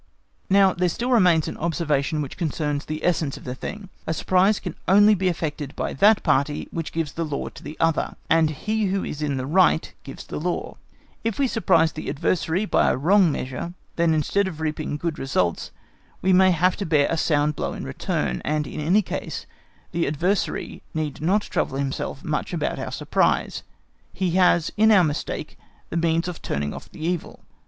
Now there still remains an observation which concerns the essence of the thing. A surprise can only be effected by that party which gives the law to the other; and he who is in the right gives the law. If we surprise the adversary by a wrong measure, then instead of reaping good results, we may have to bear a sound blow in return; in any case the adversary need not trouble himself much about our surprise, he has in our mistake the means of turning off the evil.